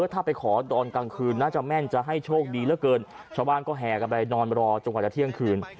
ถ้าไปขอดอนกลางคืนน่าจะแม่นจะให้โชคดีเหลือเกินชาวบ้านก็แห่กันไปนอนรอจนกว่าจะเที่ยงคืน